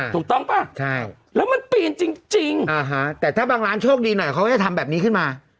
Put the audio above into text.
ถูกต้องป่ะแล้วมันปีนจริงแต่ถ้าบางร้านโชคดีหน่อยเขาก็จะทำแบบนี้ขึ้นมา